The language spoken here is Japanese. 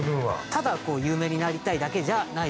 ただ有名になりたいだけじゃないぞ。